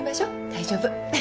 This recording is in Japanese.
大丈夫。